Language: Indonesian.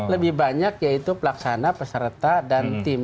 lebih banyak yaitu pelaksana peserta dan tim